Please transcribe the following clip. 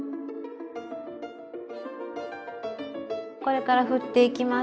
これからふっていきます。